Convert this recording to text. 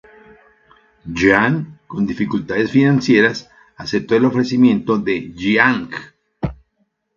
Yan, con dificultades financieras, aceptó el ofrecimiento de Jiang.